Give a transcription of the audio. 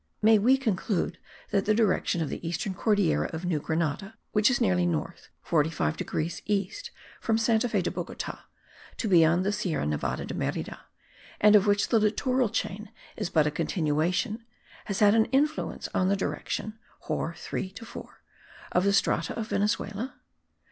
May we conclude that the direction of the eastern Cordillera of New Grenada, which is nearly north 45 degrees east from Santa Fe de Bogota, to beyond the Sierra Nevada de Merida, and of which the littoral chain is but a continuation, has had an influence on the direction (hor. 3 to 4) of the strata in Venezuela?